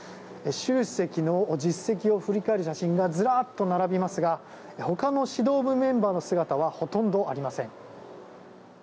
習主席の実績を振り返る写真がずらっと並びますが他の指導部メンバーの姿はほとんどありません。